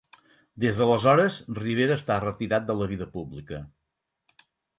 Des d'aleshores Rivera està retirat de la vida pública.